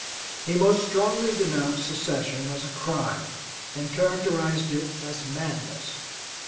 He most strongly denounced secession as a crime and characterized it as madness.